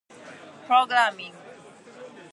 It featured indie rock and alternative rock programming.